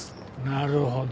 なるほど。